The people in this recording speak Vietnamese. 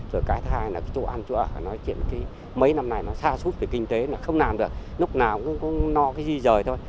rồi cái thứ hai là chỗ ăn chỗ ở nói chuyện mấy năm này nó xa xút về kinh tế nó không làm được lúc nào cũng no cái gì rời thôi